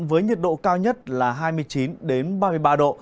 với nhiệt độ cao nhất là hai mươi chín ba mươi ba độ